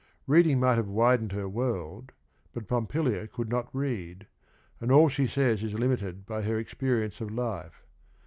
Reading might have widened her world, but Pompilia could not read, and all she says is limited by her experience of life.